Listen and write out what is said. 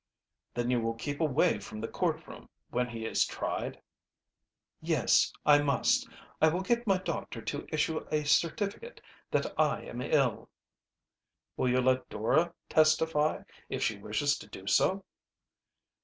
"Then you will keep away from the court room when he is tried?" "Yes, I must. I will get my doctor to issue a certificate that I am ill." "Will you let Dora testify? If she wishes to do so."